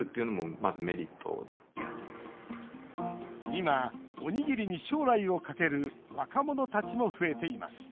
今、おにぎりに将来をかける若者たちも増えています。